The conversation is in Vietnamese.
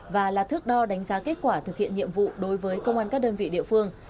và là thước đo đánh giá kết quả thực hiện nhiệm vụ đối với công an các đơn vị địa phương